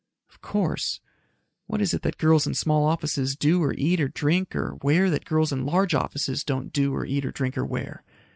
"Of course. What is it that girls in small offices do or eat or drink or wear that girls in large offices don't do or eat or drink or wear?